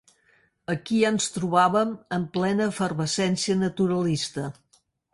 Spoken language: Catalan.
Aquí ja ens trobàvem en plena efervescència naturalista.